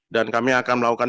dan kami akan mendapatkan